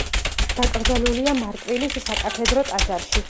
დაკრძალულია მარტვილის საკათედრო ტაძარში.